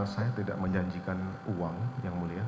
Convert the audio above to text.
saya tidak menjanjikan uang yang mulia